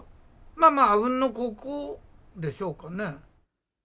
まあまあ、あうんの呼吸でしょうかね。